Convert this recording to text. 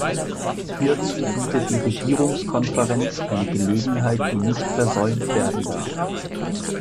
Hierzu bietet die Regierungskonferenz eine Gelegenheit, die nicht versäumt werden darf.